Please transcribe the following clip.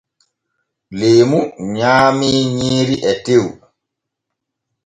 Leemu nyaamii nyiiri e tew.